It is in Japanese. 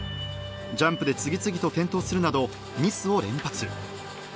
ジャンプで次々と転倒するなどミスを連発。